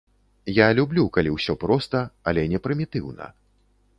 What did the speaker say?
Я люблю, калі ўсё проста, але не прымітыўна.